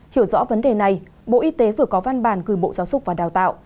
hiểu rõ vấn đề này bộ y tế vừa có văn bản gửi bộ giáo dục và đào tạo